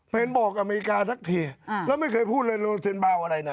เป็นบอกอเมริกาทักทีอ่าแล้วไม่เคยพูดเลยเรื่องเซ็นบาร์วอะไรน่ะ